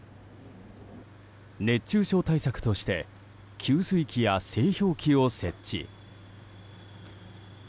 熱中症対策として給水器や製氷機を設置。